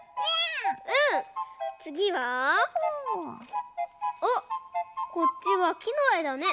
つぎはあっこっちはきのえだね。